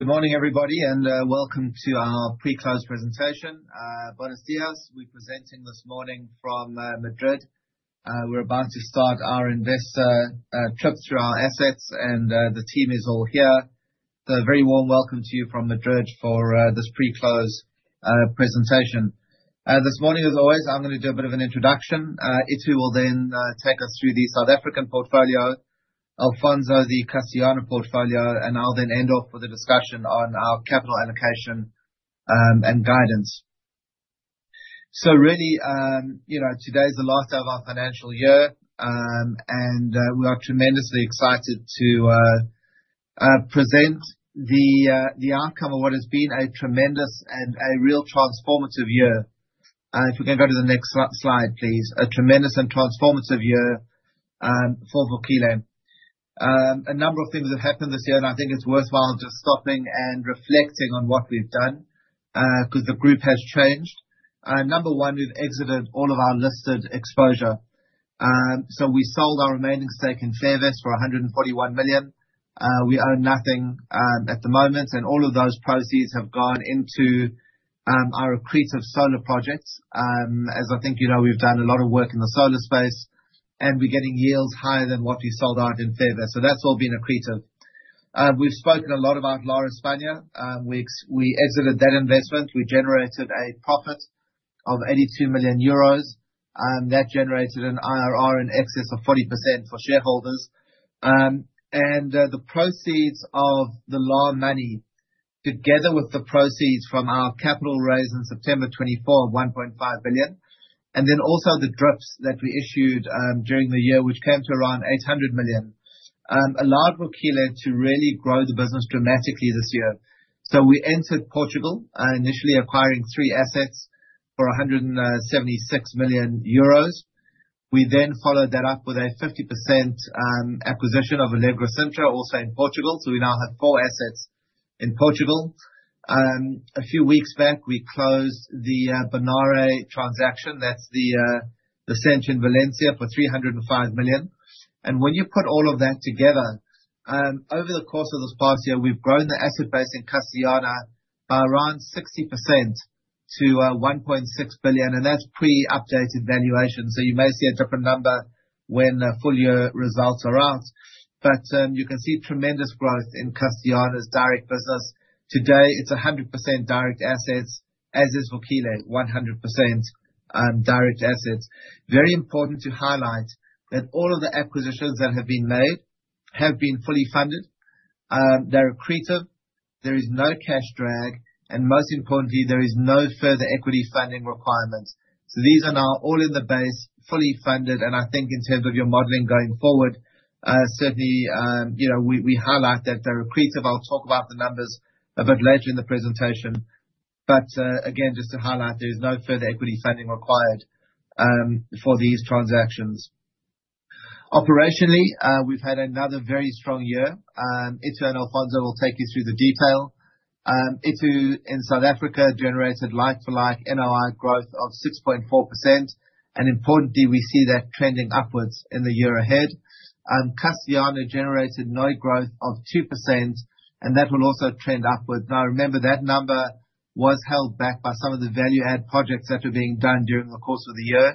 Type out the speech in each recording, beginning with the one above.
Good morning, everybody, welcome to our pre-close presentation. Buenos dias, we're presenting this morning from Madrid. We're about to start our investor trip through our assets and the team is all here. A very warm welcome to you from Madrid for this pre-close presentation. This morning, as always, I'm gonna do a bit of an introduction. Itu will then take us through the South African portfolio. Alfonso, the Castellana portfolio. I'll then end off with a discussion on our capital allocation and guidance. Really, you know, today's the last of our financial year. We are tremendously excited to present the outcome of what has been a tremendous and a real transformative year. If we can go to the next slide, please. A tremendous and transformative year for Vukile. A number of things have happened this year, and I think it's worthwhile just stopping and reflecting on what we've done because the group has changed. Number one, we've exited all of our listed exposure. We sold our remaining stake in Fairvest for 141 million. We own nothing at the moment, and all of those proceeds have gone into our accretive solar projects. As I think you know, we've done a lot of work in the solar space, and we're getting yields higher than what we sold out in Fairvest. That's all been accretive. We've spoken a lot about Lar España. We exited that investment. We generated a profit of 82 million euros that generated an IRR in excess of 40% for shareholders. The proceeds of the Lar money, together with the proceeds from our capital raise in September 2024 of 1.5 billion, and also the DRIPs that we issued during the year, which came to around 800 million, allowed Vukile to really grow the business dramatically this year. We entered Portugal, initially acquiring three assets for 176 million euros. We followed that up with a 50% acquisition of Alegro Sintra, also in Portugal. We now have four assets in Portugal. A few weeks back, we closed the Bonaire transaction. That's the center in Valencia for 305 million. When you put all of that together, over the course of this past year, we've grown the asset base in Castellana by around 60% to 1.6 billion, and that's pre-updated valuation. You may see a different number when the full-year results are out. You can see tremendous growth in Castellana's direct business. Today, it's 100% direct assets, as is Vukile, 100% direct assets. Very important to highlight that all of the acquisitions that have been made have been fully funded. They're accretive. There is no cash drag, and most importantly, there is no further equity funding requirements. These are now all in the base, fully funded, and I think in terms of your modeling going forward, certainly, you know, we highlight that they're accretive. I'll talk about the numbers a bit later in the presentation. Again, just to highlight, there is no further equity funding required for these transactions. Operationally, we've had another very strong year. Itu and Alfonso will take you through the detail. Itu in South Africa generated like-for-like NOI growth of 6.4%, and importantly, we see that trending upwards in the year ahead. Castellana generated NOI growth of 2%, and that will also trend upwards. Now remember, that number was held back by some of the value-add projects that were being done during the course of the year.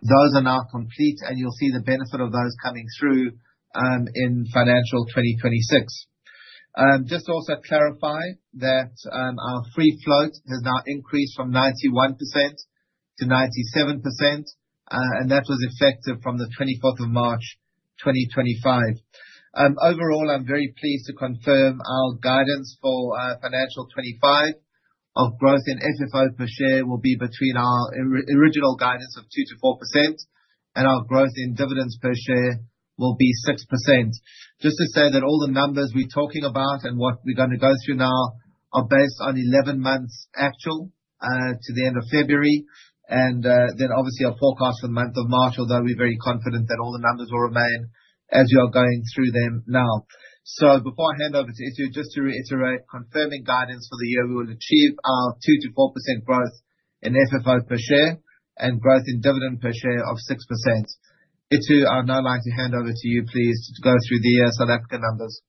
Those are now complete, and you'll see the benefit of those coming through in financial 2026. Just to also clarify that our free float has now increased from 91% to 97%, and that was effective from the 24th of March, 2025. Overall, I'm very pleased to confirm our guidance for FY 2025 of growth in FFO per share will be between our original guidance of 2%-4%, and our growth in dividends per share will be 6%. Just to say that all the numbers we're talking about and what we're gonna go through now are based on 11 months actual to the end of February. Obviously our forecast for the month of March, although we're very confident that all the numbers will remain as we are going through them now. Before I hand over to Itu, just to reiterate, confirming guidance for the year, we will achieve our 2%-4% growth in FFO per share and growth in dividend per share of 6%. Itu, I would now like to hand over to you, please, to go through the South Africa numbers.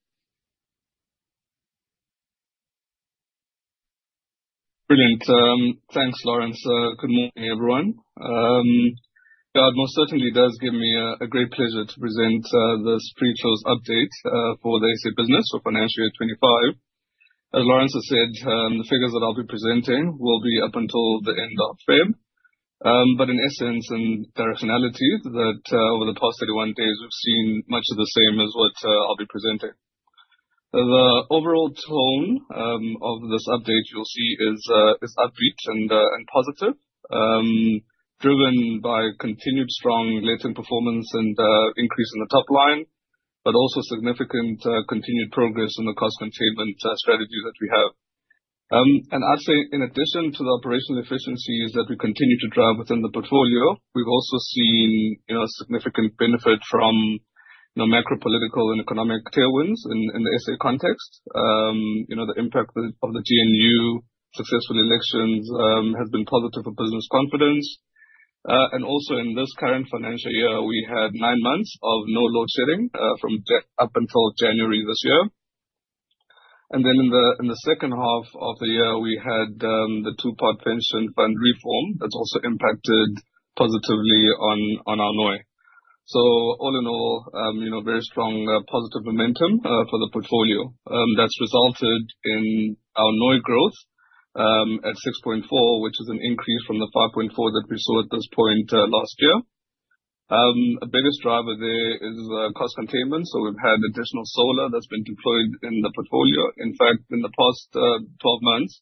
Brilliant. Thanks, Lawrence. Good morning, everyone. Yeah, it most certainly does give me a great pleasure to present this pre-close update for the AC business for financial year 2025. As Lawrence has said, the figures that I'll be presenting will be up until the end of Feb. In essence, in directionality that over the past 31 days, we've seen much of the same as what I'll be presenting. The overall tone of this update, you'll see is upbeat and positive, driven by continued strong latent performance and increase in the top line, but also significant continued progress in the cost containment strategy that we have. I'd say in addition to the operational efficiencies that we continue to drive within the portfolio, we've also seen, you know, significant benefit from, you know, macro political and economic tailwinds in the SA context. You know, the impact of the GNU successful elections have been positive for business confidence. Also in this current financial year, we had nine months of no load shedding up until January this year. In the second half of the year, we had the two-pillar pension fund reform that's also impacted positively on our NOI. All in all, you know, very strong positive momentum for the portfolio. That's resulted in our NOI growth at 6.4%, which is an increase from the 5.4% that we saw at this point last year. The biggest driver there is cost containment, so we've had additional solar that's been deployed in the portfolio. In fact, in the past 12 months,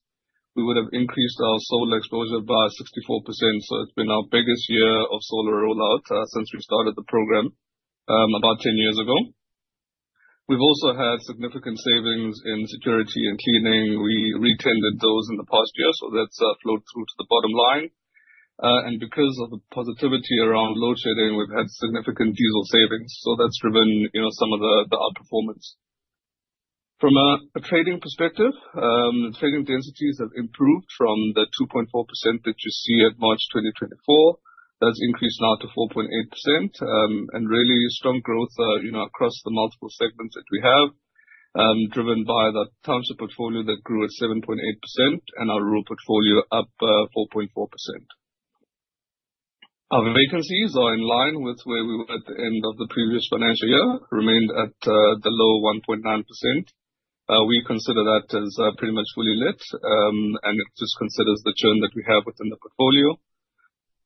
we would have increased our solar exposure by 64%, so it's been our biggest year of solar rollout since we started the program about 10 years ago. We've also had significant savings in security and cleaning. We retendered those in the past year, so that's flowed through to the bottom line. Because of the positivity around load shedding, we've had significant diesel savings, so that's driven, you know, some of the outperformance. From a trading perspective, trading densities have improved from the 2.4% that you see at March 2024. That's increased now to 4.8%. Really strong growth, you know, across the multiple segments that we have, driven by the township portfolio that grew at 7.8% and our rural portfolio up 4.4%. Our vacancies are in line with where we were at the end of the previous financial year, remained at the low 1.9%. We consider that as pretty much fully lit, and it just considers the churn that we have within the portfolio.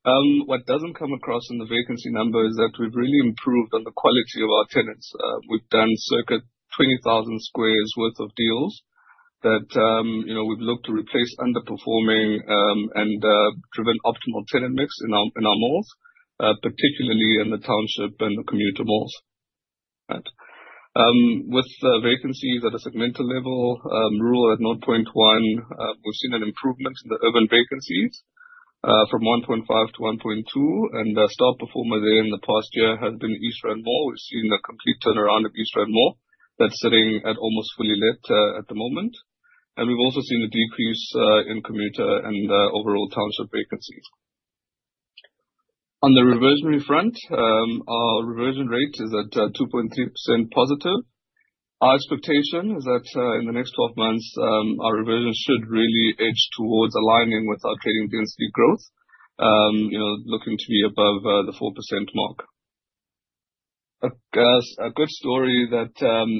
What doesn't come across in the vacancy number is that we've really improved on the quality of our tenants. We've done circa 20,000 squares worth of deals that, you know, we've looked to replace underperforming, and driven optimal tenant mix in our, in our malls, particularly in the township and the commuter malls. Right. With the vacancies at a segmental level, rural at 0.1%. We've seen an improvement in the urban vacancies, from 1.5% to 1.2%. The star performer there in the past year has been East Rand Mall. We've seen a complete turnaround at East Rand Mall. That's sitting at almost fully lit, at the moment. We've also seen a decrease, in commuter and overall township vacancies. On the reversionary front, our reversion rate is at 2.3% positive. Our expectation is that in the next 12 months, our reversion should really edge towards aligning with our trading density growth, you know, looking to be above the 4% mark. A good story that,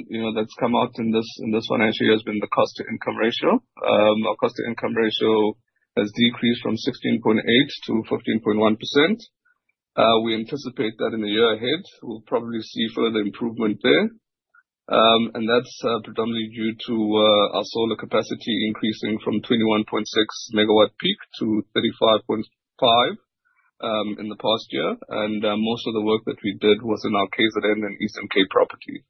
you know, that's come out in this, in this financial year has been the cost-to-income ratio. Our cost-to-income ratio has decreased from 16.8 to 15.1%. We anticipate that in the year ahead, we'll probably see further improvement there. That's predominantly due to our solar capacity increasing from 21.6 megawatt peak to 35.5 in the past year. Most of the work that we did was in our KZN and East MK properties.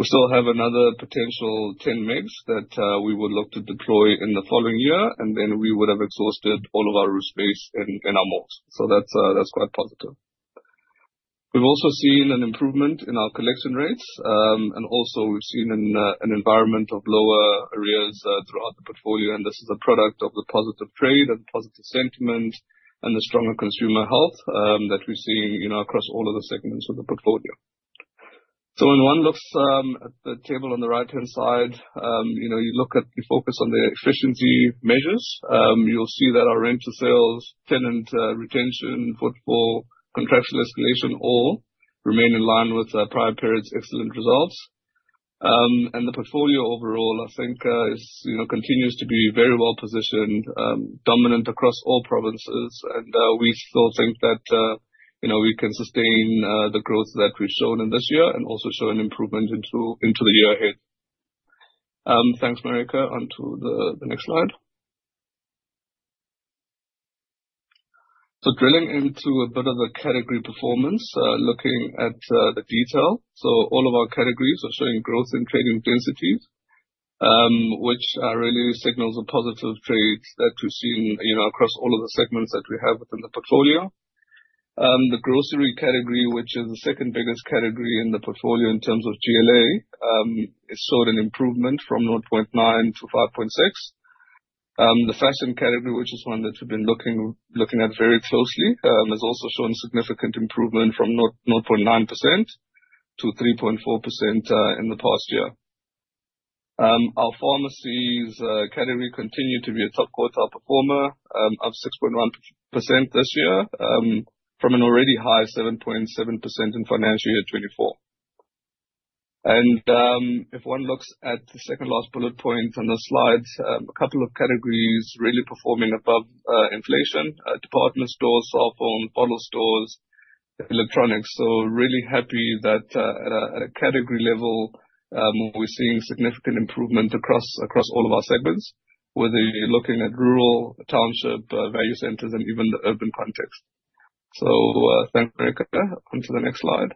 We still have another potential 10 MWp that we would look to deploy in the following year, and then we would have exhausted all of our roof space in our malls. That's quite positive. We've also seen an improvement in our collection rates. Also, we've seen an environment of lower arrears throughout the portfolio, and this is a product of the positive trade and positive sentiment and the stronger consumer health that we're seeing, you know, across all of the segments of the portfolio. When one looks at the table on the right-hand side, you know, you look at the focus on the efficiency measures, you'll see that our rent to sales, tenant retention, footfall, contractual escalation all remain in line with our prior period's excellent results. The portfolio overall, I think, is, you know, continues to be very well-positioned, dominant across all provinces. We still think that, you know, we can sustain the growth that we've shown in this year and also show an improvement into the year ahead. Thanks, Marijke. On to the next slide. Drilling into a bit of the category performance, looking at the detail. All of our categories are showing growth in trading densities, which really signals the positive trades that we've seen, you know, across all of the segments that we have within the portfolio. The grocery category, which is the second biggest category in the portfolio in terms of GLA, it showed an improvement from 0.9% to 5.6%. The fashion category, which is one that we've been looking at very closely, has also shown significant improvement from 0.9% to 3.4% in the past year. Our pharmacies category continue to be a top quartile performer, up 6.1% this year, from an already high 7.7% in FY 2024. If one looks at the second last bullet point on the slide, a couple of categories really performing above inflation, department stores, cell phone, bottle stores, electronics. Really happy that at a category level, we're seeing significant improvement across all of our segments, whether you're looking at rural, township, value centers and even the urban context. Thanks, Marijke, on to the next slide.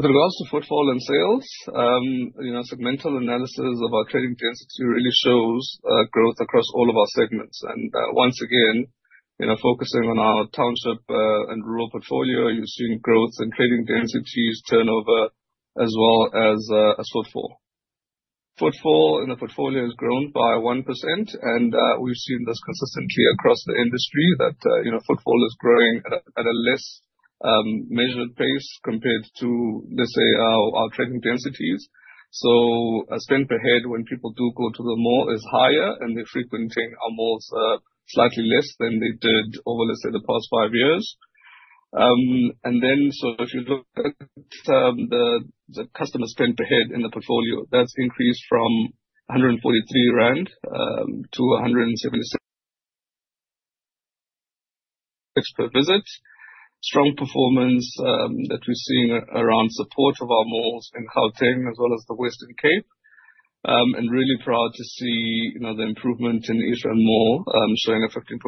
With regards to footfall and sales, you know, segmental analysis of our trading density really shows growth across all of our segments. Once again, you know, focusing on our township and rural portfolio, you're seeing growth in trading densities turnover as well as a footfall. Footfall in the portfolio has grown by 1%. We've seen this consistently across the industry that, you know, footfall is growing at a less measured pace compared to, let's say, our trading densities. So a spend per head when people do go to the mall is higher, and they're frequenting our malls slightly less than they did over, let's say, the past five years. If you look at the customer spend per head in the portfolio, that's increased from 143 rand to 176 per visit. Strong performance that we're seeing around support of our malls in Gauteng as well as the Western Cape. Really proud to see, you know, the improvement in Islazul Mall, showing a 15.5%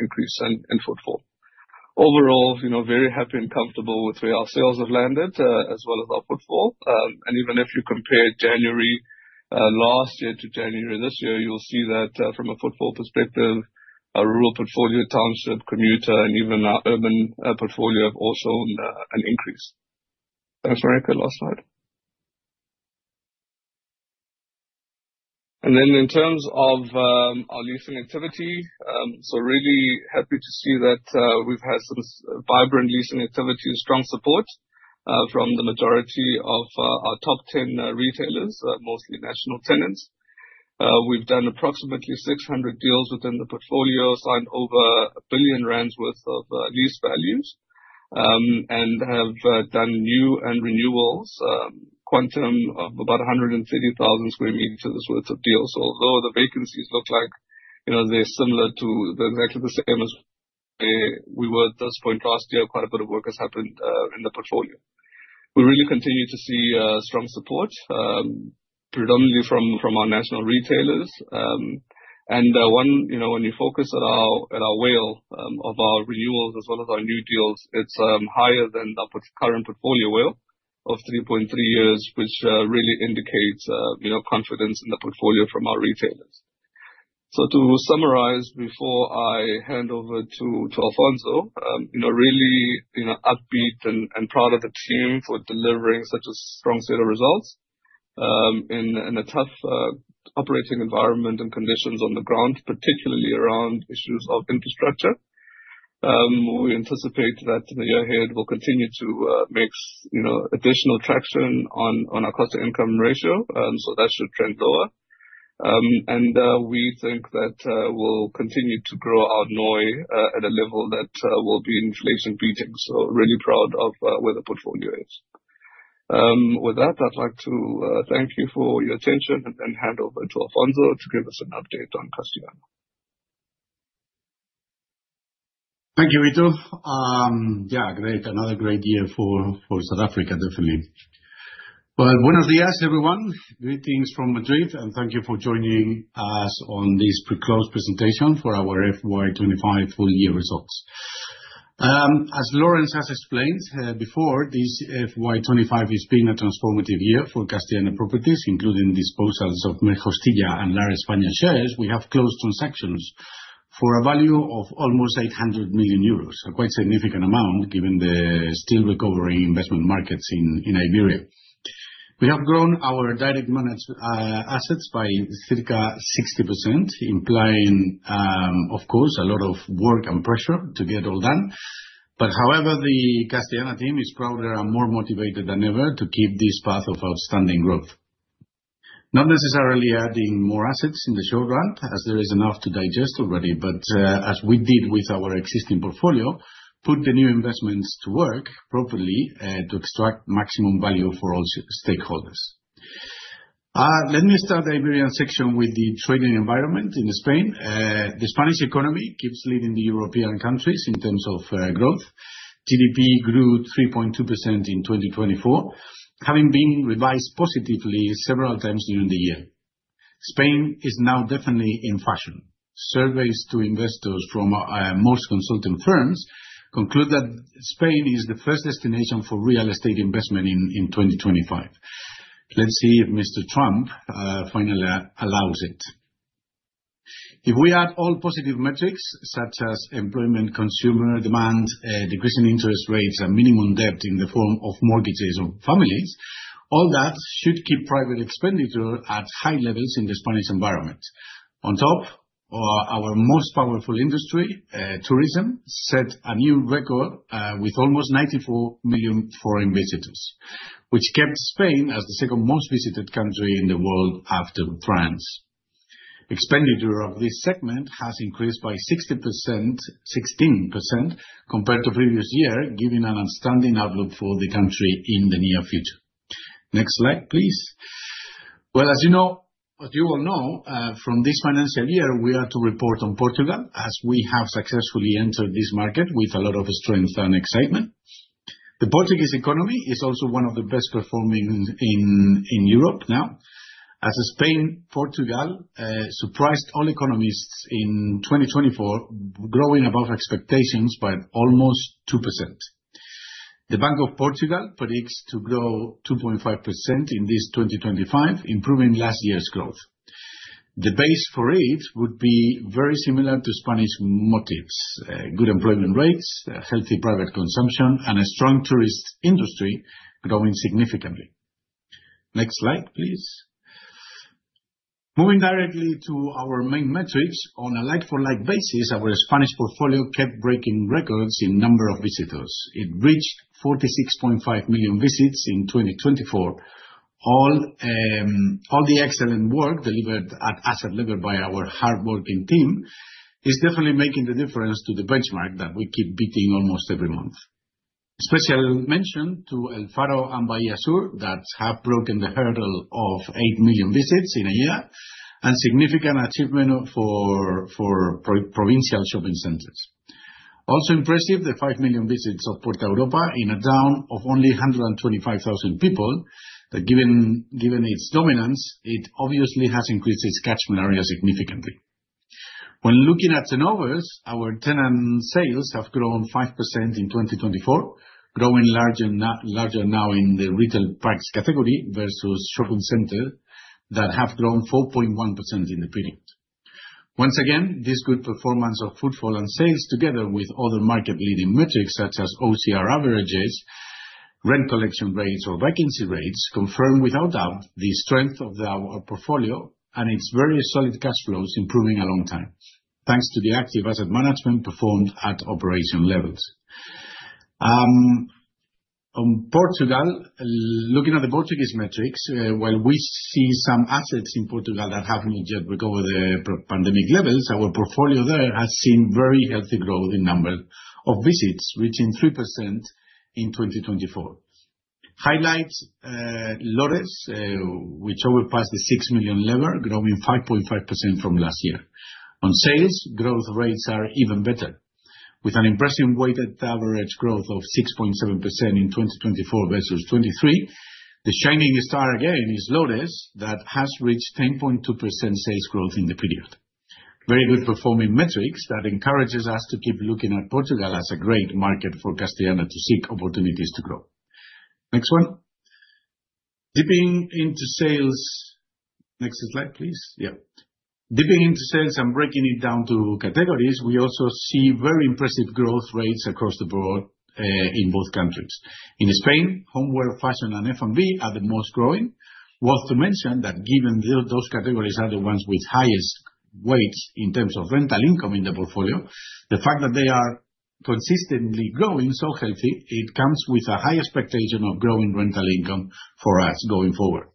increase in footfall. Overall, you know, very happy and comfortable with where our sales have landed, as well as our footfall. Even if you compare January last year to January this year, you'll see that from a footfall perspective, our rural portfolio, township, commuter and even our urban portfolio have also an increase. Thanks, Veronica. Last slide. In terms of our leasing activity, really happy to see that we've had some vibrant leasing activity and strong support from the majority of our top 10 retailers, mostly national tenants. We've done approximately 600 deals within the portfolio, signed over 1 billion rand worth of lease values. And have done new and renewals, quantum of about 130,000 square meters worth of deals. Although the vacancies look like, you know, they're exactly the same as we were at this point last year, quite a bit of work has happened in the portfolio. We really continue to see strong support predominantly from our national retailers. When, you know, when you focus at our, at our WALE of our renewals as well as our new deals, it's higher than the current portfolio WALE of three point three years, which really indicates, you know, confidence in the portfolio from our retailers. To summarize, before I hand over to Alfonso, you know, really, you know, upbeat and proud of the team for delivering such a strong set of results in a tough operating environment and conditions on the ground, particularly around issues of infrastructure. We anticipate that in the year ahead, we'll continue to make, you know, additional traction on our cost-to-income ratio. That should trend lower. We think that, we'll continue to grow our NOI, at a level that, will be inflation-beating. Really proud of, where the portfolio is. With that, I'd like to, thank you for your attention and hand over to Alfonso to give us an update on Castellana. Thank you, Vito. Yeah, great. Another great year for South Africa, definitely. Well, buenos dias, everyone. Greetings from Madrid, and thank you for joining us on this pre-close presentation for our FY 2025 full-year results. As Lawrence has explained, before, this FY 2025 has been a transformative year for Castellana Properties, including disposals of Merostir and Lar España shares. We have closed transactions for a value of almost 800 million euros. A quite significant amount given the still recovering investment markets in Iberia. We have grown our direct managed assets by circa 60%, implying, of course, a lot of work and pressure to get all done. However, the Castellana team is prouder and more motivated than ever to keep this path of outstanding growth. Not necessarily adding more assets in the short run, as there is enough to digest already, as we did with our existing portfolio, put the new investments to work properly, to extract maximum value for all stakeholders. Let me start the Iberian section with the trading environment in Spain. The Spanish economy keeps leading the European countries in terms of growth. GDP grew 3.2% in 2024, having been revised positively several times during the year. Spain is now definitely in fashion. Surveys to investors from most consulting firms conclude that Spain is the first destination for real estate investment in 2025. Let's see if Mr. Trump finally allows it. If we add all positive metrics such as employment, consumer demand, decreasing interest rates and minimum debt in the form of mortgages of families, all that should keep private expenditure at high levels in the Spanish environment. Our most powerful industry, tourism, set a new record with almost 94 million foreign visitors, which kept Spain as the second most visited country in the world after France. Expenditure of this segment has increased by 16% compared to previous year, giving an outstanding outlook for the country in the near future. Next slide, please. As you all know, from this financial year, we are to report on Portugal, as we have successfully entered this market with a lot of strength and excitement. The Portuguese economy is also one of the best performing in Europe now. Spain, Portugal surprised all economists in 2024, growing above expectations by almost 2%. The Bank of Portugal predicts to grow 2.5% in this 2025, improving last year's growth. The base for it would be very similar to Spanish motives, good employment rates, a healthy private consumption, and a strong tourist industry growing significantly. Next slide, please. Moving directly to our main metrics. On a like-for-like basis, our Spanish portfolio kept breaking records in number of visitors. It reached 46.5 million visits in 2024. All the excellent work delivered at asset level by our hardworking team is definitely making the difference to the benchmark that we keep beating almost every month. Special mention to El Faro and Bahía Sur that have broken the hurdle of 8 million visits in a year, and significant achievement for provincial shopping centers. Also impressive, the 5 million visits of Puerta Europa in a town of only 125,000 people. That given its dominance, it obviously has increased its catchment area significantly. When looking at tenovers, our tenant sales have grown 5% in 2024, growing larger now in the retail price category versus shopping center that have grown 4.1% in the period. Once again, this good performance of footfall and sales, together with other market-leading metrics such as OCR averages, rent collection rates, or vacancy rates, confirm without doubt the strength of our portfolio and its very solid cash flows, improving along time. Thanks to the active asset management performed at operation levels. On Portugal, looking at the Portuguese metrics, while we see some assets in Portugal that haven't yet recovered their pre-pandemic levels, our portfolio there has seen very healthy growth in number of visits, reaching 3% in 2024. Highlights, LoureShopping, which overpassed the 6 million level, growing 5.5% from last year. On sales, growth rates are even better, with an impressive weighted average growth of 6.7% in 2024 versus 2023. The shining star again is LoureShopping, that has reached 10.2% sales growth in the period. Very good performing metrics that encourages us to keep looking at Portugal as a great market for Castellana to seek opportunities to grow. Next one. Dipping into sales, Next slide, please. Yeah. Dipping into sales and breaking it down to categories, we also see very impressive growth rates across the board in both countries. In Spain, homeware, fashion, and F&B are the most growing. Worth to mention that given those categories are the ones with highest weights in terms of rental income in the portfolio, the fact that they are consistently growing so healthy, it comes with a high expectation of growing rental income for us going forward.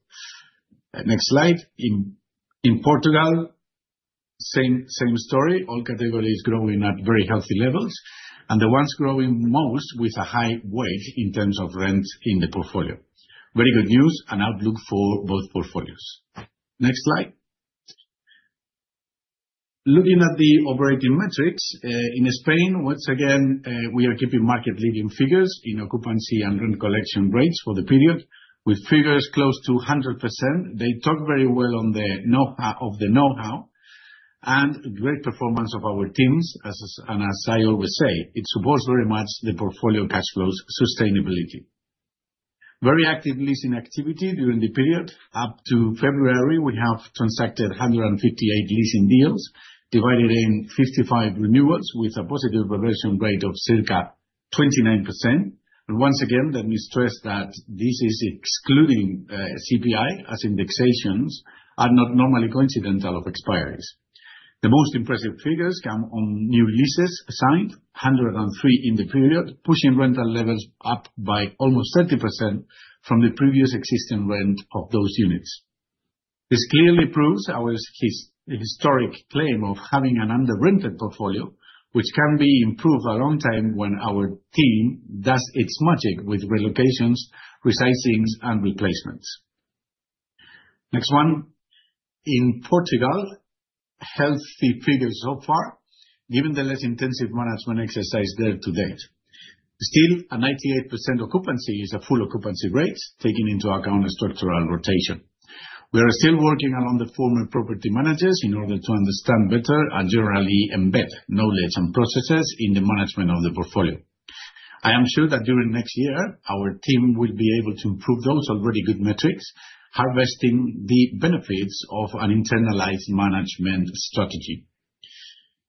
Next slide. In Portugal, same story. All categories growing at very healthy levels, and the ones growing most with a high weight in terms of rent in the portfolio. Very good news and outlook for both portfolios. Next slide. Looking at the operating metrics in Spain, once again, we are keeping market-leading figures in occupancy and rent collection rates for the period. With figures close to 100%, they talk very well on the know-how and great performance of our teams. As I always say, it supports very much the portfolio cash flows sustainability. Very active leasing activity during the period. Up to February, we have transacted 158 leasing deals, divided in 55 renewals with a positive progression rate of circa 29%. Once again, let me stress that this is excluding CPI as indexations are not normally coincidental of expiries. The most impressive figures come on new leases signed, 103 in the period, pushing rental levels up by almost 30% from the previous existing rent of those units. This clearly proves our historic claim of having an under-rented portfolio, which can be improved a long time when our team does its magic with relocations, resizings, and replacements. Next one. In Portugal, healthy figures so far, given the less intensive management exercise there to date. Still, a 98% occupancy is a full occupancy rate, taking into account structural rotation. We are still working along the former property managers in order to understand better and generally embed knowledge and processes in the management of the portfolio. I am sure that during next year, our team will be able to improve those already good metrics, harvesting the benefits of an internalized management strategy.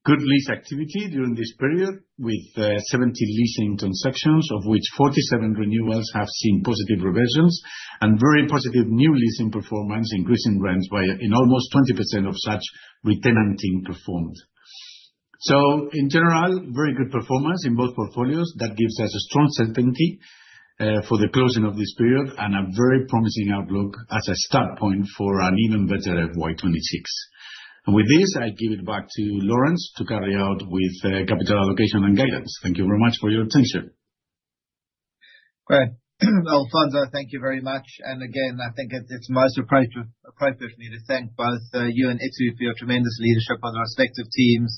Good lease activity during this period with 70 leasing transactions, of which 47 renewals have seen positive reversions and very positive new leasing performance, increasing rents by, in almost 20% of such retenanting performed. In general, very good performance in both portfolios. That gives us a strong certainty for the closing of this period and a very promising outlook as a start point for an even better FY 2026. With this, I give it back to Lawrence to carry out with capital allocation and guidance. Thank you very much for your attention. Great. Alfonso, thank you very much. Again, I think it's most appropriate for me to thank both you and Itu for your tremendous leadership on our respective teams.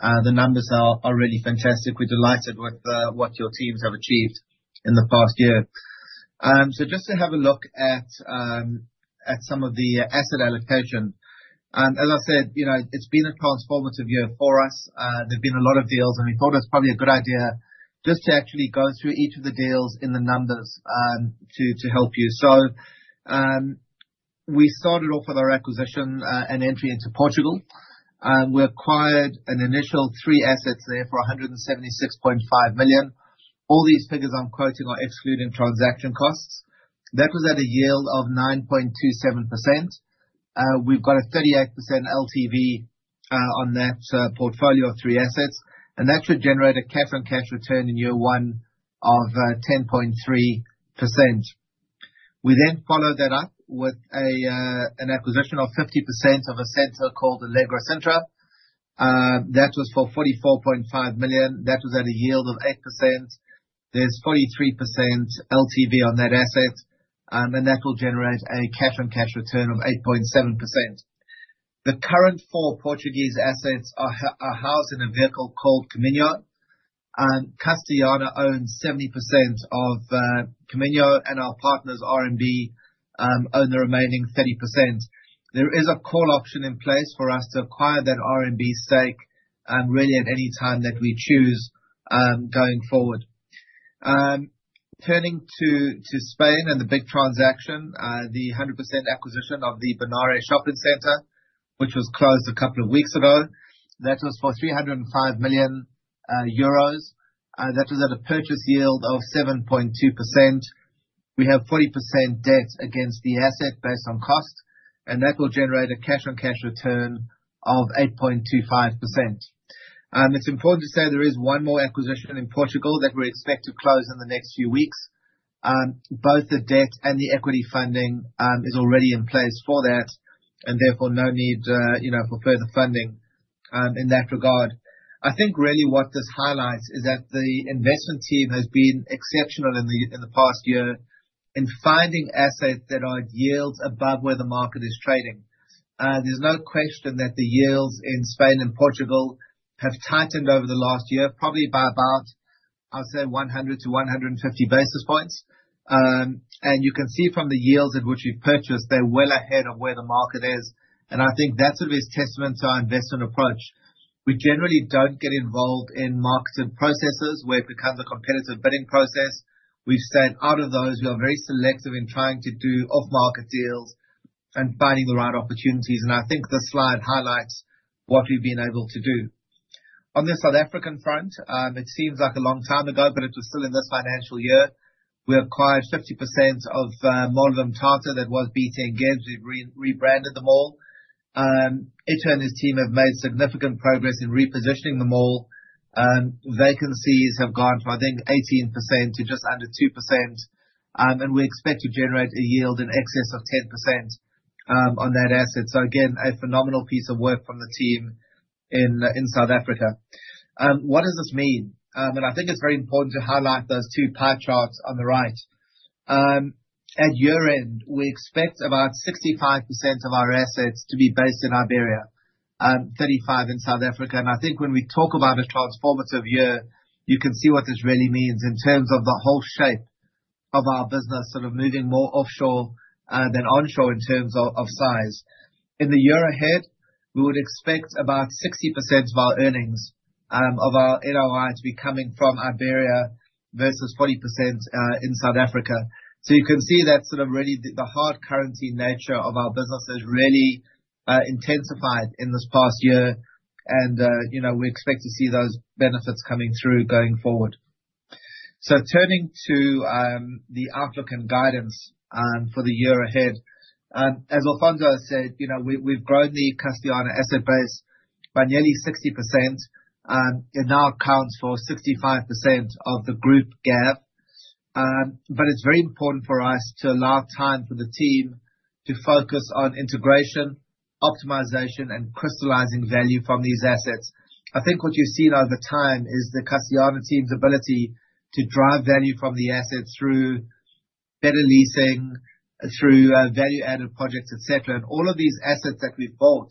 The numbers are really fantastic. We're delighted with what your teams have achieved in the past year. Just to have a look at some of the asset allocation. As I said, you know, it's been a transformative year for us. There've been a lot of deals, and we thought it's probably a good idea. Just to actually go through each of the deals in the numbers to help you. We started off with our acquisition and entry into Portugal. We acquired an initial three assets there for 176.5 million. All these figures I'm quoting are excluding transaction costs. That was at a yield of 9.27%. We've got a 38% LTV on that portfolio of three assets, and that should generate a cash-on-cash return in year one of 10.3%. We followed that up with an acquisition of 50% of a center called Allegro Centro. That was for 44.5 million. That was at a yield of 8%. There's 43% LTV on that asset. That will generate a cash-on-cash return of 8.7%. The current four Portuguese assets are housed in a vehicle called Caminho. Castellana owns 70% of Caminho, our partners, RMB, own the remaining 30%. There is a call option in place for us to acquire that RMB stake, really at any time that we choose, going forward. Turning to Spain and the big transaction, the 100% acquisition of the Bonaire Shopping Centre, which was closed a couple of weeks ago. That was for 305 million euros. That was at a purchase yield of 7.2%. We have 40% debt against the asset based on cost, and that will generate a cash-on-cash return of 8.25%. It's important to say there is one more acquisition in Portugal that we expect to close in the next few weeks. Both the debt and the equity funding, is already in place for that, and therefore, no need, you know, for further funding, in that regard. I think really what this highlights is that the investment team has been exceptional in the past year in finding assets that are at yields above where the market is trading. There's no question that the yields in Spain and Portugal have tightened over the last year, probably by about, I would say 100 to 150 basis points. You can see from the yields at which we've purchased, they're well ahead of where the market is, and I think that's a real testament to our investment approach. We generally don't get involved in marketed processes where it becomes a competitive bidding process. We've stayed out of those. We are very selective in trying to do off-market deals and finding the right opportunities, and I think this slide highlights what we've been able to do. On the South African front, it seems like a long time ago, it was still in this financial year, we acquired 50% of Mall of Umhlanga. That was BT Ngebs. We've rebranded the mall. Ethan and his team have made significant progress in repositioning the mall. Vacancies have gone from, I think, 18% to just under 2%, we expect to generate a yield in excess of 10% on that asset. Again, a phenomenal piece of work from the team in South Africa. What does this mean? I think it's very important to highlight those two pie charts on the right. At year-end, we expect about 65% of our assets to be based in Iberia, 35% in South Africa. I think when we talk about a transformative year, you can see what this really means in terms of the whole shape of our business, sort of moving more offshore than onshore in terms of size. In the year ahead, we would expect about 60% of our earnings of our NOI to be coming from Iberia versus 40% in South Africa. You can see that sort of really the hard currency nature of our business has really intensified in this past year. You know, we expect to see those benefits coming through going forward. Turning to the outlook and guidance for the year ahead. As Alfonso said, you know, we've grown the Castellana asset base by nearly 60%. It now accounts for 65% of the group GAAP. It's very important for us to allow time for the team to focus on integration, optimization, and crystallizing value from these assets. I think what you've seen over time is the Castellana team's ability to drive value from the asset through better leasing, through value-added projects, et cetera. All of these assets that we've bought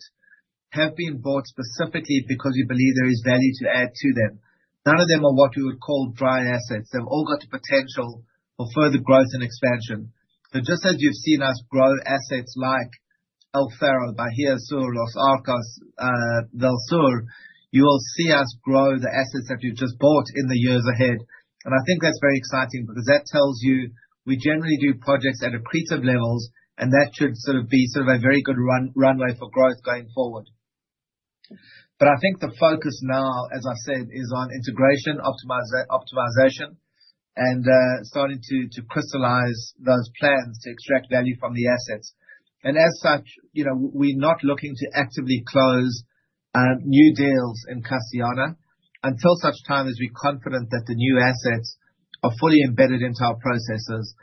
have been bought specifically because we believe there is value to add to them. None of them are what we would call dry assets. They've all got the potential for further growth and expansion. Just as you've seen us grow assets like El Faro, Bahía Sur, Los Arcos, Del Sur, you will see us grow the assets that we've just bought in the years ahead. I think that's very exciting because that tells you we generally do projects at accretive levels, and that should sort of be sort of a very good runway for growth going forward. I think the focus now, as I said, is on integration, optimization, and starting to crystallize those plans to extract value from the assets. As such, you know, we're not looking to actively close new deals in Castellana until such time as we're confident that the new assets are fully embedded into our processes.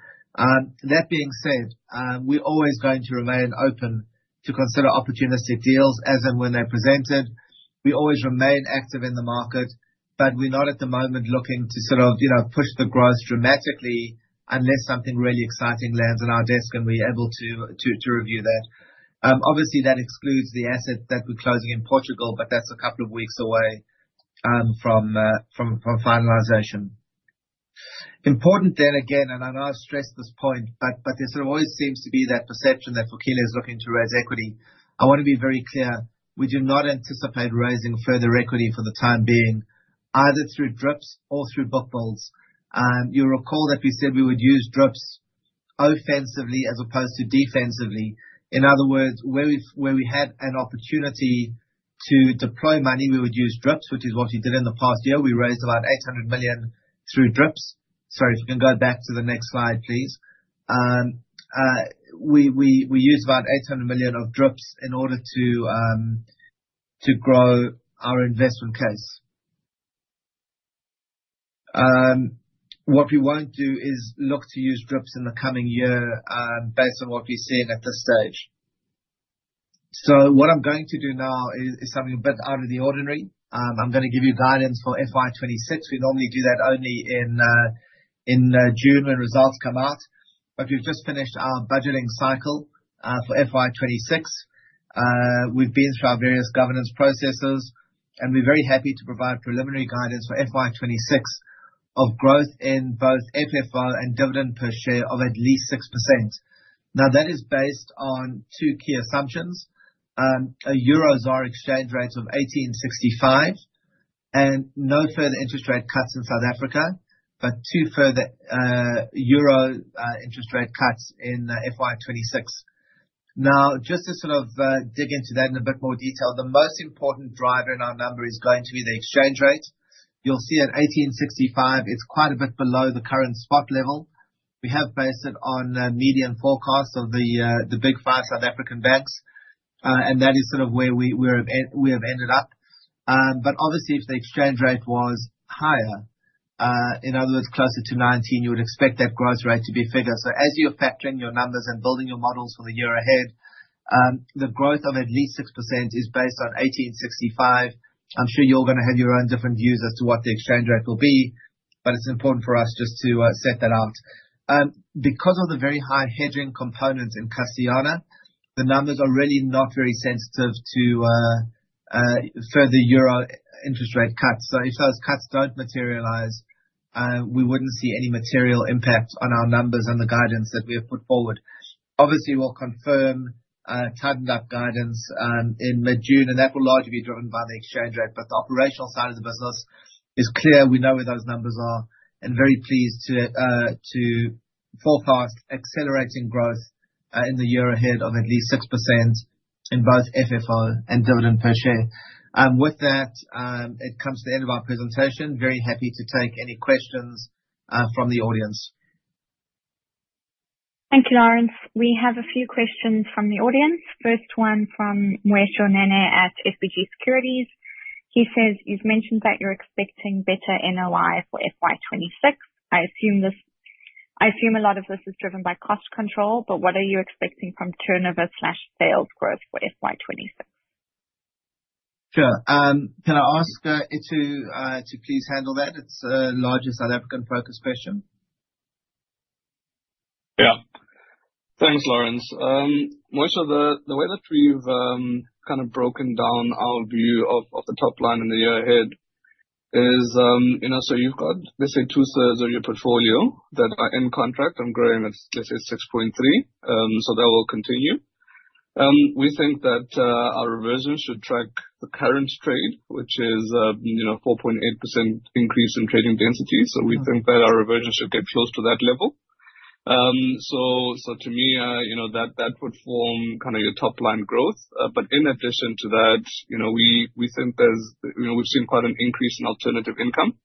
That being said, we're always going to remain open to consider opportunistic deals as and when they're presented. We always remain active in the market, but we're not at the moment looking to sort of, you know, push the growth dramatically unless something really exciting lands on our desk and we're able to review that. Obviously, that excludes the asset that we're closing in Portugal, but that's a couple of weeks away from finalization. I know I've stressed this point, but there sort of always seems to be that perception that Vukile is looking to raise equity. I wanna be very clear, we do not anticipate raising further equity for the time being, either through DRIPs or through book builds. You'll recall that we said we would use DRIPs offensively as opposed to defensively. In other words, where we had an opportunity to deploy money, we would use DRIPs, which is what we did in the past year. We raised about 800 million through DRIPs. Sorry, if you can go back to the next slide, please. We used about 800 million of DRIPs in order to grow our investment case. What we won't do is look to use DRIPs in the coming year, based on what we're seeing at this stage. What I'm going to do now is something a bit out of the ordinary. I'm gonna give you guidance for FY 2026. We normally do that only in June when results come out. We've just finished our budgeting cycle for FY 2026. We've been through our various governance processes, and we're very happy to provide preliminary guidance for FY 2026 of growth in both FFO and dividend per share of at least 6%. That is based on two key assumptions. A Euro ZAR exchange rate of 18.65, and no further interest rate cuts in South Africa, but two further Euro interest rate cuts in FY 2026. Just to sort of dig into that in a bit more detail. The most important driver in our number is going to be the exchange rate. You'll see at 18.65, it's quite a bit below the current spot level. We have based it on median forecasts of the big five South African banks, and that is sort of where we have ended up. Obviously, if the exchange rate was higher, in other words, closer to 19, you would expect that growth rate to be bigger. As you're factoring your numbers and building your models for the year ahead, the growth of at least 6% is based on 18.65. I'm sure you're gonna have your own different views as to what the exchange rate will be, but it's important for us just to set that out. Because of the very high hedging components in Castellana, the numbers are really not very sensitive to further Euro interest rate cuts. If those cuts don't materialize, we wouldn't see any material impact on our numbers and the guidance that we have put forward. Obviously, we'll confirm tightened up guidance in mid-June, and that will largely be driven by the exchange rate. The operational side of the business is clear, we know where those numbers are, and very pleased to forecast accelerating growth in the year ahead of at least 6% in both FFO and dividend per share. With that, it comes to the end of our presentation. Very happy to take any questions from the audience. Thank you, Lawrence. We have a few questions from the audience. First one from Mweishö Nene at SBG Securities. He says, "You've mentioned that you're expecting better NOI for FY 2026. I assume a lot of this is driven by cost control, but what are you expecting from turnover/sales growth for FY 2026? Sure. can I ask Itu to please handle that? It's a largely South African-focused question. Yeah. Thanks, Laurence. Mweishö, the way that we've kind of broken down our view of the top line in the year ahead is, you know, you've got, let's say 2/3 of your portfolio that are in contract and growing at, let's say 6.3%, that will continue. We think that our reversion should track the current trade, which is, you know, 4.8% increase in trading density. We think that our reversion should get close to that level. To me, you know, that would form kinda your top line growth. In addition to that, you know, we think there's, you know, we've seen quite an increase in alternative income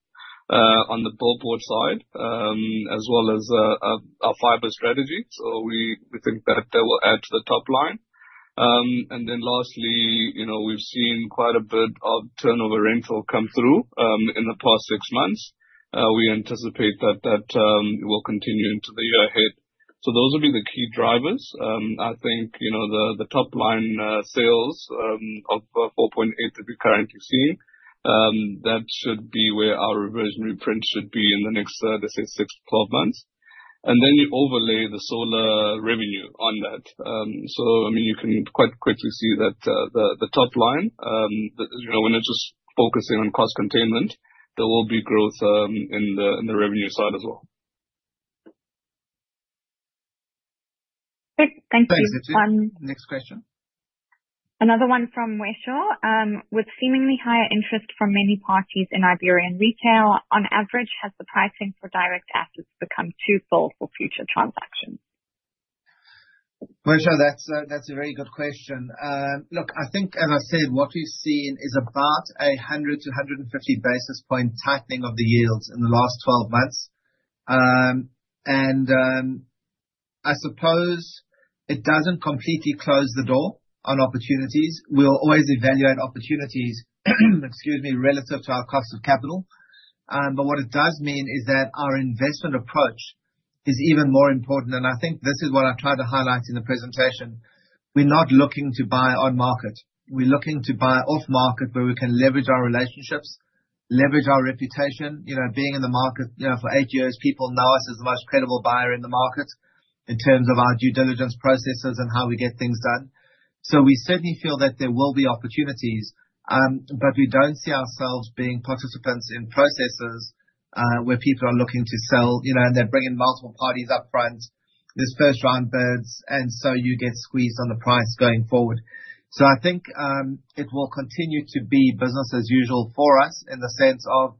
on the billboard side, as well as our fiber strategy. We think that that will add to the top line. Lastly, you know, we've seen quite a bit of turnover rental come through in the past six months. We anticipate that that will continue into the year ahead. Those would be the key drivers. I think, you know, the top line sales of 4.8% that we're currently seeing, that should be where our reversion reprint should be in the next, let's say six to 12 months. You overlay the solar revenue on that. I mean, you can quite quickly see that the top line, you know, we're not just focusing on cost containment, there will be growth in the revenue side as well. Great. Thank you. Thanks, Itu. Next question. Another one from Mweishö Nene. With seemingly higher interest from many parties in Iberian retail, on average, has the pricing for direct assets become too full for future transactions? Muesho, that's a very good question. Look, I think, as I said, what we've seen is about a 100 basis points -150 basis point tightening of the yields in the last 12 months. I suppose it doesn't completely close the door on opportunities. We'll always evaluate opportunities, excuse me, relative to our cost of capital. What it does mean is that our investment approach is even more important, and I think this is what I've tried to highlight in the presentation. We're not looking to buy on market. We're looking to buy off market, where we can leverage our relationships, leverage our reputation. You know, being in the market, you know, for eight years, people know us as the most credible buyer in the market. In terms of our due diligence processes and how we get things done. We certainly feel that there will be opportunities, but we don't see ourselves being participants in processes, where people are looking to sell, you know, and they're bringing multiple parties up front. There's first, second, thirds, and so you get squeezed on the price going forward. I think it will continue to be business as usual for us in the sense of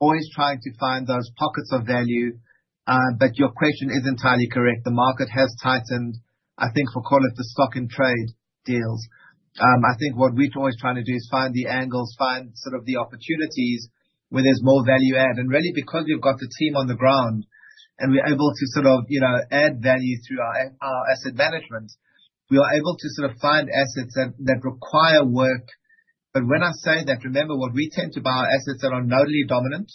always trying to find those pockets of value. Your question is entirely correct. The market has tightened. I think we'll call it the stock and trade deals. I think what we're always trying to do is find the angles, find sort of the opportunities where there's more value add. Really because we've got the team on the ground and we're able to sort of, you know, add value through our asset management. We are able to sort of find assets that require work. When I say that, remember what we tend to buy are assets that are nodally dominant.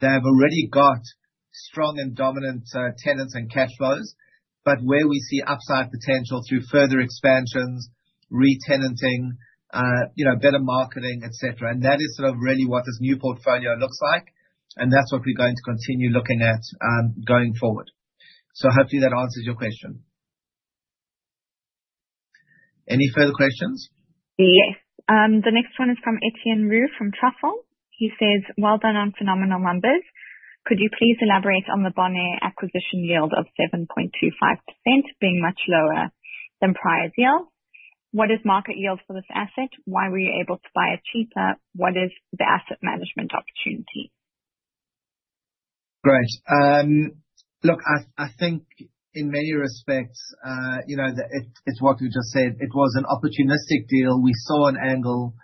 They have already got strong and dominant tenants and cash flows. Where we see upside potential through further expansions, re-tenanting, you know, better marketing, et cetera, and that is sort of really what this new portfolio looks like, and that's what we're going to continue looking at, going forward. Hopefully that answers your question. Any further questions? Yes. The next one is from Etienne Roux from Truffle. He says, "Well done on phenomenal numbers. Could you please elaborate on the Bonaire acquisition yield of 7.25% being much lower than prior deals? What is market yield for this asset? Why were you able to buy it cheaper? What is the asset management opportunity? Great. Look, I think in many respects, you know, it's what you just said. It was an opportunistic deal. We saw an angle.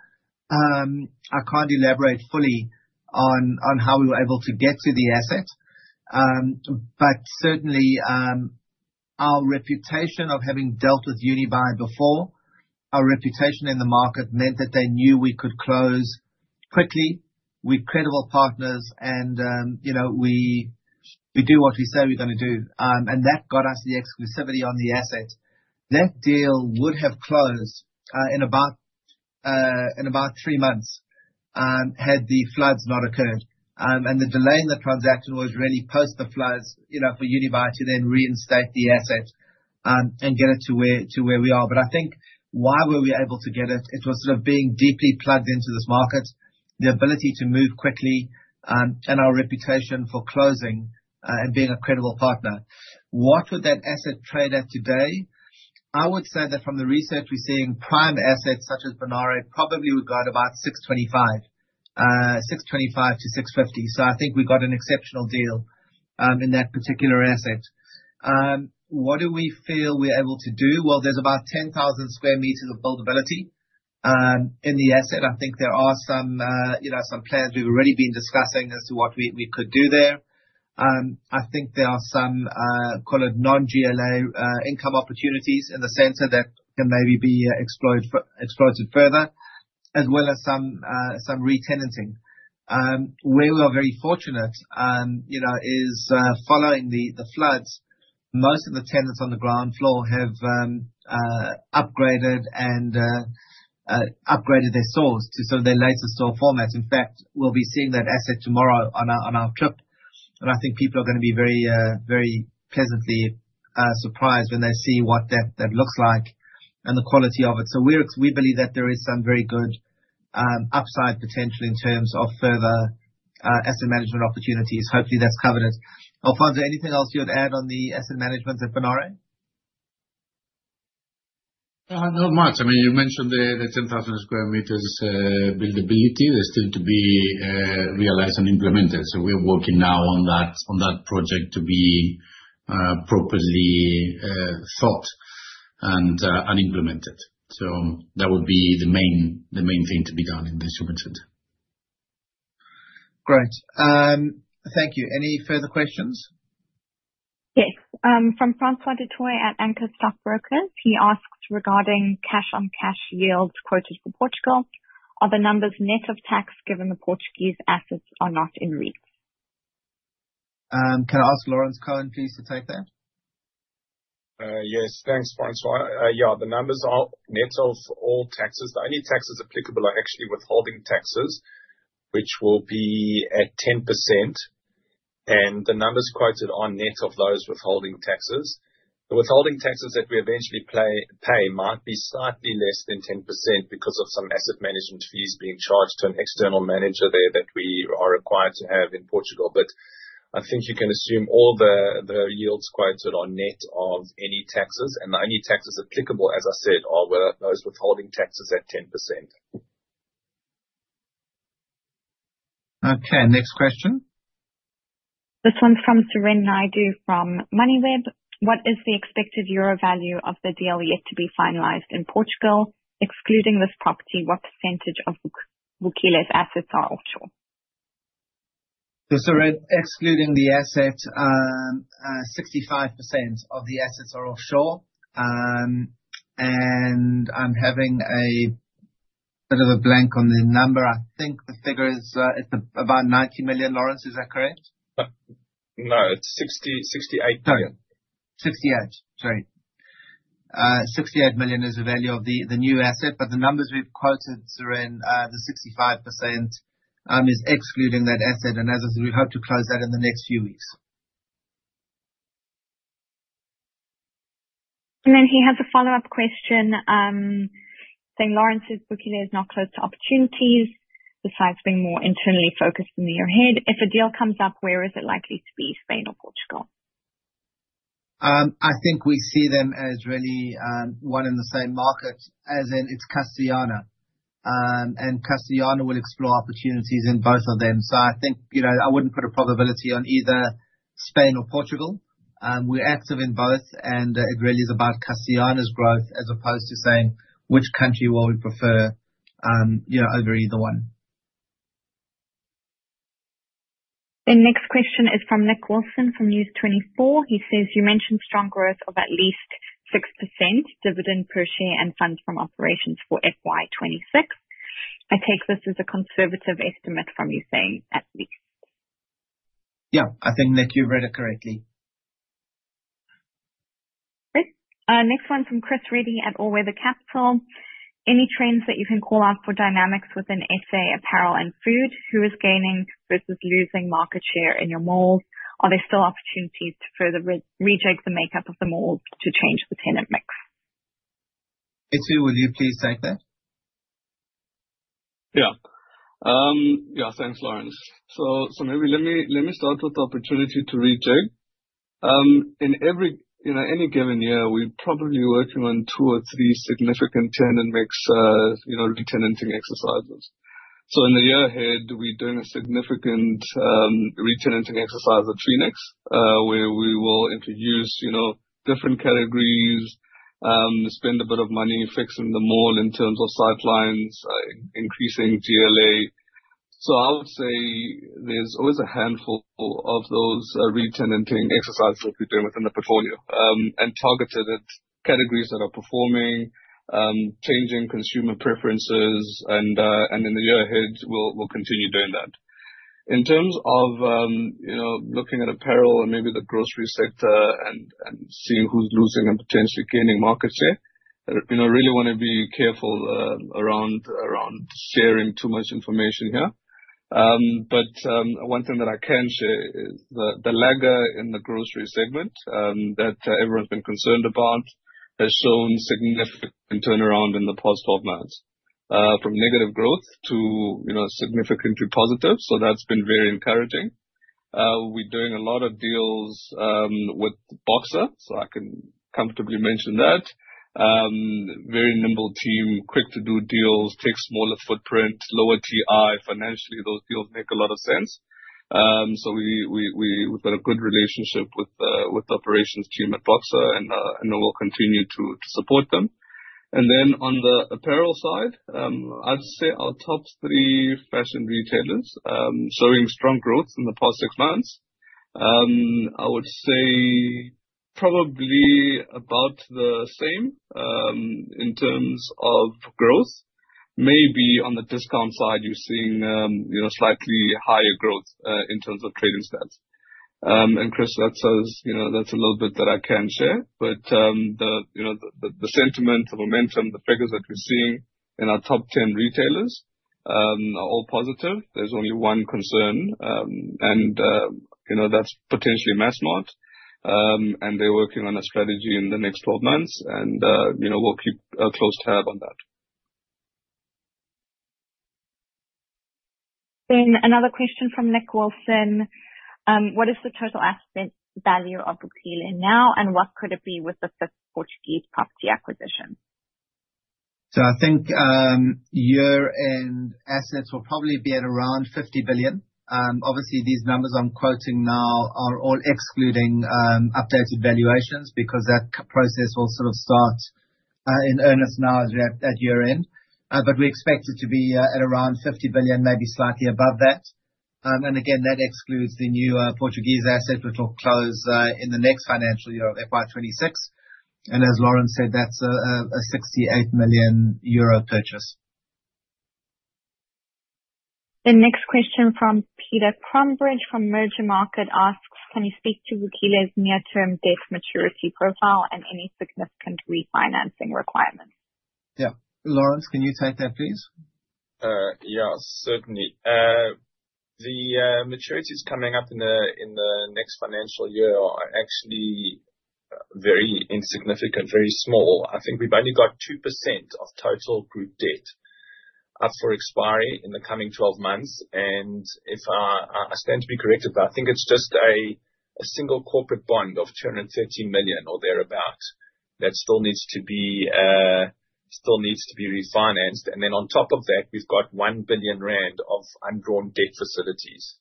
I can't elaborate fully on how we were able to get to the asset, but certainly, our reputation of having dealt with Unibail-Rodamco-Westfield before, our reputation in the market meant that they knew we could close quickly with credible partners, you know, we do what we say we're gonna do. That got us the exclusivity on the asset. That deal would have closed in about three months had the floods not occurred. The delay in the transaction was really post the floods, you know, for Unibail-Rodamco-Westfield to then reinstate the asset and get it to where we are. I think why were we able to get it? It was sort of being deeply plugged into this market, the ability to move quickly, and our reputation for closing and being a credible partner. What would that asset trade at today? I would say that from the research we're seeing, prime assets such as Bonaire probably would go at about 6.25. 6.25-6.50. I think we got an exceptional deal in that particular asset. What do we feel we're able to do? Well, there's about 10,000 square meters of buildability in the asset. I think there are some, you know, some plans we've already been discussing as to what we could do there. I think there are some, call it non-GLA, income opportunities in the center that can maybe be exploited further, as well as some re-tenanting. Where we are very fortunate, you know, is following the floods, most of the tenants on the ground floor have upgraded their stores to some of their latest store formats. In fact, we'll be seeing that asset tomorrow on our trip. I think people are gonna be very pleasantly surprised when they see what that looks like and the quality of it. We believe that there is some very good upside potential in terms of further, asset management opportunities. Hopefully, that's covered it. Alfonso, anything else you'd add on the asset management at Bonaire? Not much. You mentioned the 10,000 square meters, buildability that's still to be, realized and implemented. We are working now on that project to be, properly, thought and implemented. That would be the main thing to be done, as you mentioned. Great. Thank you. Any further questions? Yes. From Francois du Toit at Anchor Stockbrokers. He asks, 'Regarding cash-on-cash yields quoted for Portugal, are the numbers net of tax given the Portuguese assets are not in REIT?' Can I ask Laurence Cohen, please, to take that? Yes. Thanks, Francois. Yeah. The numbers are net of all taxes. The only taxes applicable are actually withholding taxes, which will be at 10%, and the numbers quoted are net of those withholding taxes. The withholding taxes that we eventually pay might be slightly less than 10% because of some asset management fees being charged to an external manager there that we are required to have in Portugal. I think you can assume all the yields quoted are net of any taxes, and the only taxes applicable, as I said, are where those withholding taxes at 10%. Okay. Next question. This one's from Suren Naidoo from Moneyweb. "What is the expected euro value of the deal yet to be finalized in Portugal? Excluding this property, what % of Vukile's assets are offshore? Suren Naidoo, excluding the asset, 65% of the assets are offshore. I'm having a bit of a blank on the number. I think the figure is, about 90 million. Laurence Cohen, is that correct? No, it's 68 million. Sorry. 68. Sorry. 68 million is the value of the new asset. The numbers we've quoted, Soren, the 65%, is excluding that asset and as is, we hope to close that in the next few weeks. He has a follow-up question, saying Lawrence's book, there's not close to opportunities besides being more internally focused in the year ahead. If a deal comes up, where is it likely to be? Spain or Portugal? I think we see them as really, one and the same market as in its Castellana. Castellana will explore opportunities in both of them. I think, you know, I wouldn't put a probability on either Spain or Portugal. We're active in both, and it really is about Castellana's growth as opposed to saying which country will we prefer, you know, over either one. The next question is from Nick Wilson from News24. He says, you mentioned strong growth of at least 6% dividend per share and funds from operations for FY 2026. I take this as a conservative estimate from you saying at least. Yeah. I think, Nick, you read it correctly. Great. Next one from Chris Reddy at All Weather Capital. Any trends that you can call out for dynamics within SA apparel and food? Who is gaining versus losing market share in your malls? Are there still opportunities to further re-rejig the makeup of the malls to change the tenant mix? Sizwe, would you please take that? Thanks, Lawrence. Maybe let me start with the opportunity to rejig. In every, you know, any given year, we're probably working on two or three significant tenant mix, you know, re-tenanting exercises. In the year ahead, we're doing a significant re-tenanting exercise at Three Next, where we will introduce, you know, different categories, spend a bit of money fixing the mall in terms of sightlines, increasing GLA. I would say there's always a handful of those re-tenanting exercises we're doing within the portfolio. Targeted at categories that are performing, changing consumer preferences and in the year ahead, we'll continue doing that. In terms of, you know, looking at apparel and maybe the grocery sector and seeing who's losing and potentially gaining market share, you know, I really wanna be careful around sharing too much information here. One thing that I can share is the lagger in the grocery segment that everyone's been concerned about has shown significant turnaround in the past 12 months from negative growth to, you know, significantly positive. That's been very encouraging. We're doing a lot of deals with Boxer, so I can comfortably mention that. Very nimble team, quick to do deals, takes smaller footprint, lower TI. Financially, those deals make a lot of sense. We, we, we've got a good relationship with the operations team at Boxer and we'll continue to support them. On the apparel side, I'd say our top three fashion retailers showing strong growth in the past six months. I would say probably about the same in terms of growth. Maybe on the discount side, you're seeing, you know, slightly higher growth in terms of trading stats. Chris, that says, you know, that's a little bit that I can share. The, you know, the sentiment, the momentum, the figures that we're seeing in our top 10 retailers are all positive. There's only one concern, and, you know, that's potentially Massmart. They're working on a strategy in the next 12 months and, you know, we'll keep a close tab on that. Another question from Nick Wilson. What is the total asset value of Brokilin now, and what could it be with the fifth Portuguese property acquisition? I think year-end assets will probably be at around 50 billion. Obviously these numbers I'm quoting now are all excluding updated valuations because that process will sort of start in earnest now as we at year-end. We expect it to be at around 50 billion, maybe slightly above that. Again, that excludes the new Portuguese asset, which will close in the next financial year of FY 2026. As Lawrence said, that's a 68 million euro purchase. The next question from Peter Cromberge from Mergermarket asks, "Can you speak to Vukile's near-term debt maturity profile and any significant refinancing requirements? Yeah. Lawrence, can you take that, please? Yeah, certainly. The maturities coming up in the next financial year are actually very insignificant, very small. I think we've only got 2% of total group debt up for expiry in the coming 12 months. If I stand to be corrected, but I think it's just a single corporate bond of 250 million or thereabout that still needs to be refinanced. Then on top of that, we've got 1 billion rand of undrawn debt facilities.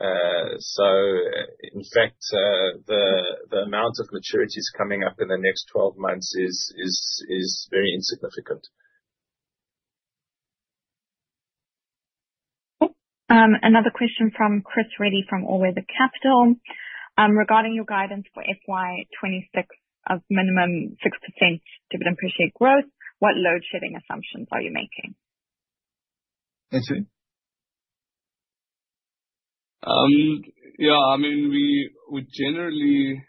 In fact, the amount of maturities coming up in the next 12 months is very insignificant. Cool. Another question from Chris Reddy from All Weather Capital. Regarding your guidance for FY 2026 of minimum 6% dividend per share growth, what load-shedding assumptions are you making? Sizwe? Yeah, I mean, we would generally,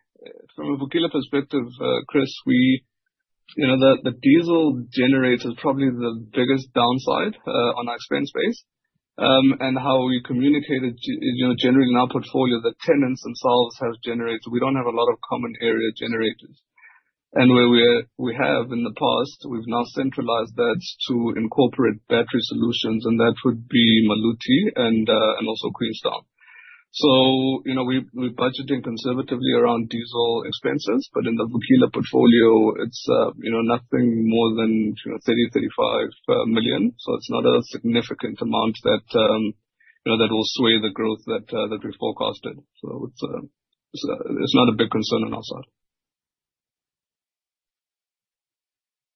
from a Vukile perspective, Chris, we, the diesel generator is probably the biggest downside on our expense base. How we communicated, generally in our portfolio, the tenants themselves have generators. We don't have a lot of common area generators. Where we have in the past, we've now centralized that to incorporate battery solutions, and that would be Maluti and also Queenstown. We, we're budgeting conservatively around diesel expenses, but in the Vukile portfolio, it's nothing more than 30 million-35 million. It's not a significant amount that will sway the growth that we forecasted. It's not a big concern on our side.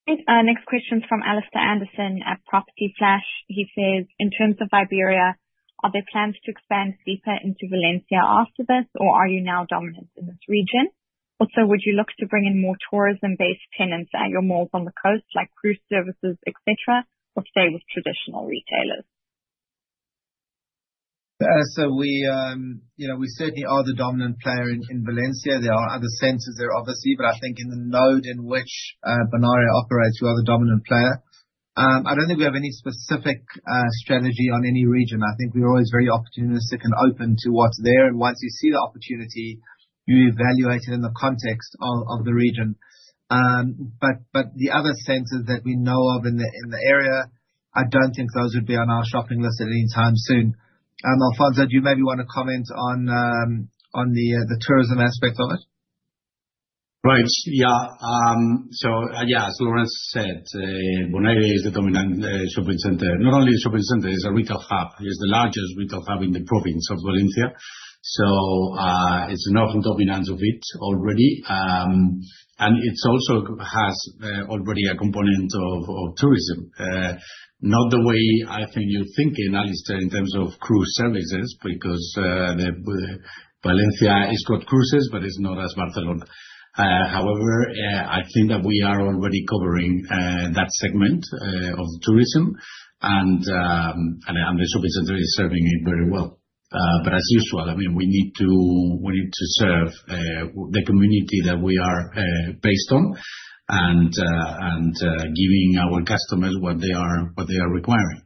Great. Next question from Alistair Anderson at Property Flash. He says, "In terms of Iberia, are there plans to expand deeper into Valencia after this? Or are you now dominant in this region? Also, would you look to bring in more tourism-based tenants at your malls on the coast, like cruise services, et cetera? Or stay with traditional retailers? We, you know, we certainly are the dominant player in Valencia. There are other centers there, obviously. I think in the node in which Bonaire operates, we are the dominant player. I don't think we have any specific strategy on any region. I think we're always very opportunistic and open to what's there. Once you see the opportunity, you evaluate it in the context of the region. The other centers that we know of in the, in the area, I don't think those would be on our shopping list at any time soon. Alfonso, do you maybe wanna comment on the tourism aspect of it? Right. Yeah. As Lawrence said, Bonaire is the dominant shopping center. Not only a shopping center, it's a retail hub. It's the largest retail hub in the province of Valencia. It's an awful dominance of it already. It also has already a component of tourism. Not the way I think you're thinking, Alistair, in terms of cruise services, because the Valencia, it's got cruises, but it's not as Barcelona. I think that we are already covering that segment of tourism and the shopping center is serving it very well. As usual, I mean, we need to serve the community that we are based on and giving our customers what they are requiring.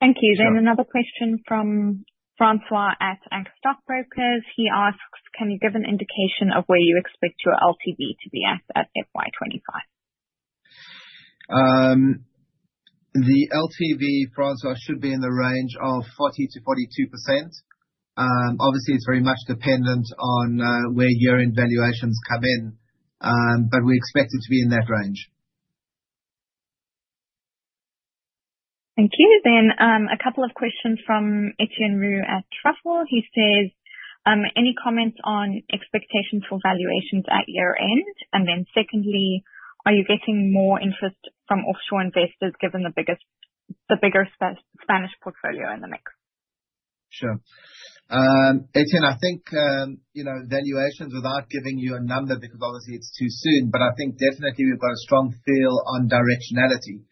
Thank you. Sure. Another question from Francois at Anchor Stockbrokers. He asks, "Can you give an indication of where you expect your LTV to be at at FY 2025? The LTV, Francois, should be in the range of 40%-42%. Obviously, it's very much dependent on where year-end valuations come in, but we expect it to be in that range. Thank you. A couple of questions from Etienne Roux at Truffle. He says, "Any comments on expectations for valuations at year-end?" Secondly, "Are you getting more interest from offshore investors, given the bigger Spanish portfolio in the mix? Sure. Etienne, I think, you know, valuations, without giving you a number, because obviously it's too soon, but I think definitely we've got a strong feel on directionality.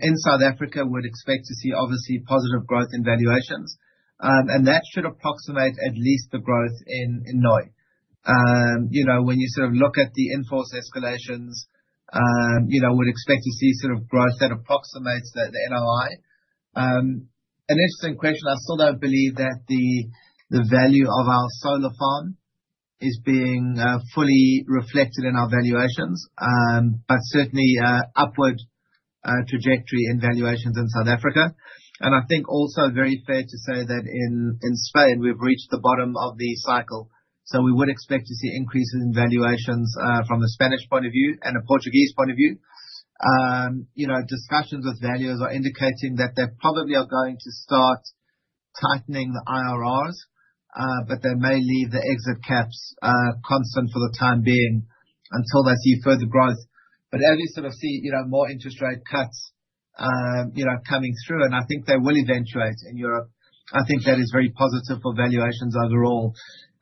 In South Africa, we'd expect to see obviously positive growth in valuations. And that should approximate at least the growth in NOI. You know, when you sort of look at the in-force escalations, you know, we'd expect to see sort of growth that approximates the NOI. An interesting question. I still don't believe that the value of our solar farm is being fully reflected in our valuations. Certainly, upward trajectory in valuations in South Africa. I think also very fair to say that in Spain, we've reached the bottom of the cycle. We would expect to see increases in valuations from the Spanish point of view and a Portuguese point of view. You know, discussions with valuers are indicating that they probably are going to start tightening the IRRs, but they may leave the exit caps constant for the time being until they see further growth. As you sort of see, you know, more interest rate cuts, you know, coming through, and I think they will eventuate in Europe. I think that is very positive for valuations overall.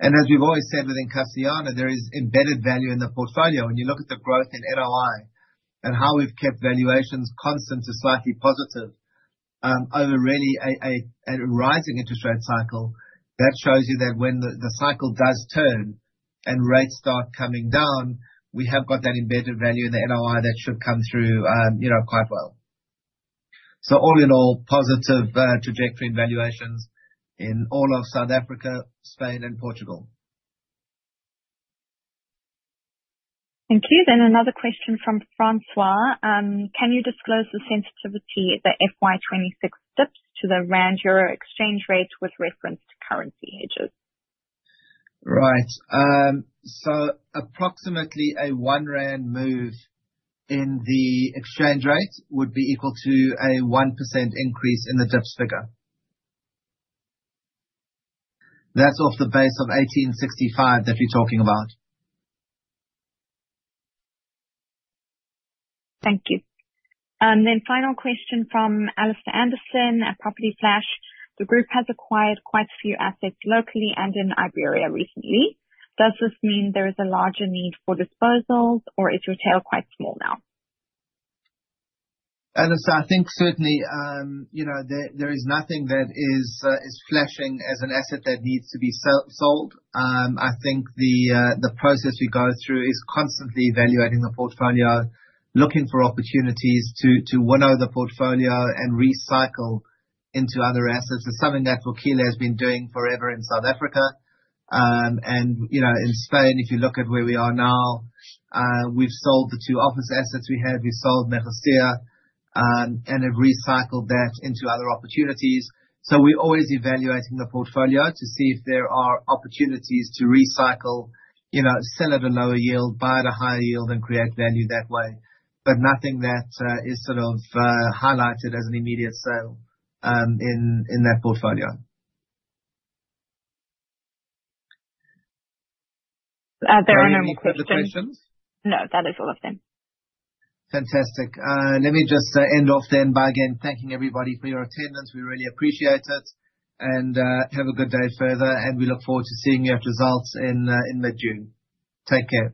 As we've always said within Castellana, there is embedded value in the portfolio. When you look at the growth in NOI and how we've kept valuations constant to slightly positive, over really a rising interest rate cycle, that shows you that when the cycle does turn and rates start coming down, we have got that embedded value in the NOI that should come through, you know, quite well. All in all, positive, trajectory in valuations in all of South Africa, Spain and Portugal. Thank you. Another question from Francois. Can you disclose the sensitivity of the FY 2026 DIPS to the rand EUR exchange rate with reference to currency hedges? Right. Approximately a 1 rand move in the exchange rate would be equal to a 1% increase in the DIPS figure. That's off the base of 1,865 that we're talking about. Thank you. Final question from Alistair Anderson at Property Flash. The group has acquired quite a few assets locally and in Iberia recently. Does this mean there is a larger need for disposals? Or is your tail quite small now? Alistair, I think certainly, you know, there is nothing that is flashing as an asset that needs to be sold. I think the process we go through is constantly evaluating the portfolio, looking for opportunities to winnow the portfolio and recycle into other assets. It's something that Vukile has been doing forever in South Africa. You know, in Spain, if you look at where we are now, we've sold the two office assets we had. We sold Merostir, and have recycled that into other opportunities. So we're always evaluating the portfolio to see if there are opportunities to recycle, you know, sell at a lower yield, buy at a higher yield, and create value that way. Nothing that is sort of highlighted as an immediate sale in that portfolio. There are no more questions. Are there any further questions? No, that is all of them. Fantastic. Let me just end off then by again thanking everybody for your attendance. We really appreciate it. Have a good day further, and we look forward to seeing you at results in mid-June. Take care.